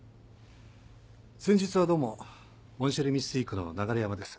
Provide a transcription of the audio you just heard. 先日はどうもモンシェリミスティークの流山です。